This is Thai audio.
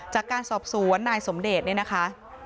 จากการสอบสวนนายสมเดชเนี่ยนะคะ